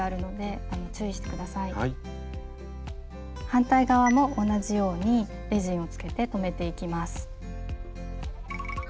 反対側も同じようにレジンをつけて留めていきます。